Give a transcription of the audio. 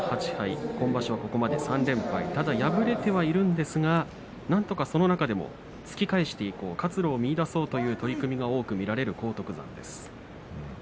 ただ今場所はここまで３連敗敗れてはいるんですがただその中で突き返していこう活路を見いだそうという取組が多く見られる荒篤山です。